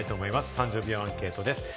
３０秒アンケートです。